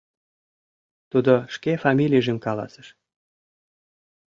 Тудо шке фамилийжым каласыш.